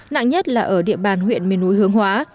nặng nhất là ở địa bàn huyện miền núi hướng hóa